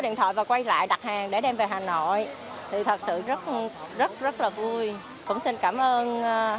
điện thoại và quay lại đặt hàng để đem về hà nội thì thật sự rất rất là vui cũng xin cảm ơn